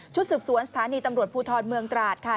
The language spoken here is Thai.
สืบสวนสถานีตำรวจภูทรเมืองตราดค่ะ